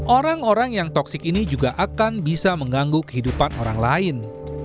orang orang yang toxic ini juga akan bisa mengganggu kehidupan orang lain